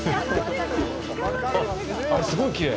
あっ、すごいきれい。